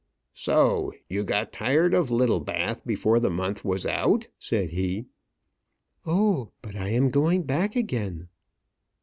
"So; you got tired of Littlebath before the month was out?" said he. "Oh! but I am going back again."